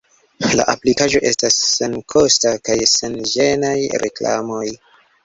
La aplikaĵo estas senkosta kaj sen ĝenaj reklamoj.